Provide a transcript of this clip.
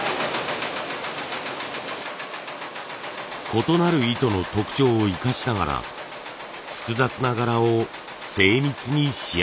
異なる糸の特徴を生かしながら複雑な柄を精密に仕上げる。